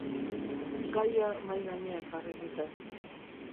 Gaia mahai gainean jarri dute.